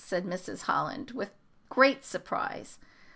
said Mrs. Holland, in great surprise.